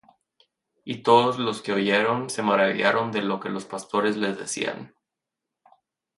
Y todos los que oyeron, se maravillaron de lo que los pastores les decían.